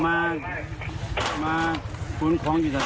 ไปตีเขาทำไมของอีกทีนิ